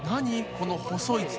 この細い筒。